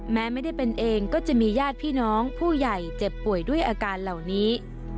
แม้ไม่ได้เป็นเองก็จะมีญาติพี่น้องผู้ใหญ่เจ็บป่วยด้วยอาการเหล่านี้